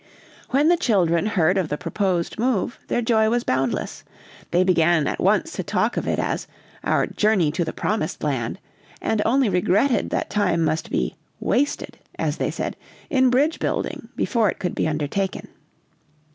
When the children heard of the proposed move their joy was boundless; they began at once to talk of it as our "journey to the Promised Land," and only regretted that time must be "wasted," as they said, in bridge building before it could be undertaken.